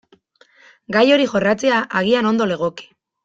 Gai hori jorratzea agian ondo legoke.